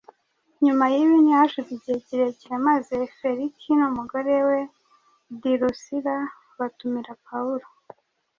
Nyuma y’ibi ntihashize igihe kirekire maze Feliki n’umugore we Dirusila batumira Pawulo